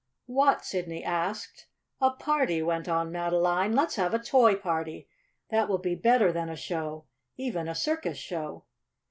"What?" Sidney asked. "A party," went on Madeline. "Let's have a Toy Party. That will be better than a show, even a circus show."